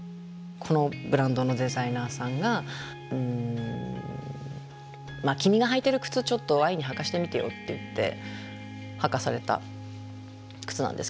このブランドのデザイナーさんが「君が履いてる靴ちょっと愛に履かせてみてよ」って言って履かされた靴なんですけど。